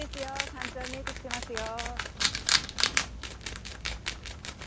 山頂見えてきてますよ。